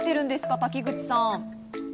滝口さん。